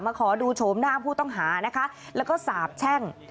ขอดูโฉมหน้าผู้ต้องหานะคะแล้วก็สาบแช่ง